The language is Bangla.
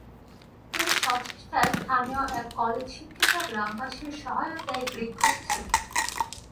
তিনি স্বচেষ্টায় স্থানীয় এক কলেজ-শিক্ষিত গ্রামবাসীর সহায়তায় গ্রিক ভাষা শিখেন।